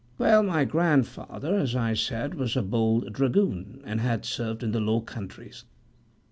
Well, my grandfather, as I said, was a bold dragoon, and had served in the Low Countries.